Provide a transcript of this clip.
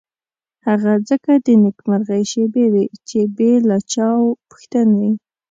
هغه ځکه د نېکمرغۍ شېبې وې چې بې له چا پوښتنې.